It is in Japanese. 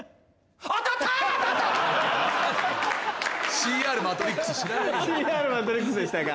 ＣＲマトリックスでしたか。